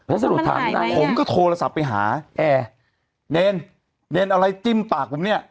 แล้วสรุปถามผมก็โทรศัพท์ไปหาแนนแนนอะไรจิ้มปากแบบเนี้ย